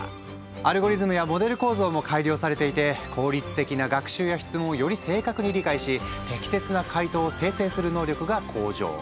アルゴリズムやモデル構造も改良されていて効率的な学習や質問をより正確に理解し適切な回答を生成する能力が向上。